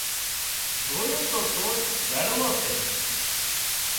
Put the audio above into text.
زووي تو سور گھر مان سي